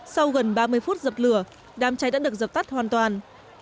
sau gần ba mươi phút dập lửa đám cháy đã được dập tắt hoàn toàn